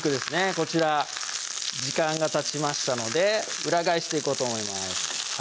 こちら時間がたちましたので裏返していこうと思います